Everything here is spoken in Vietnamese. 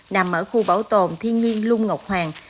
nằm ở khu bảo tồn thiên nhiên lung ngọc hoàng